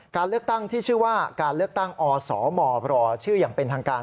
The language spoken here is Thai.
การเลือกตั้งที่ชื่อว่าการเลือกตั้งอสมรอชื่ออย่างเป็นทางการ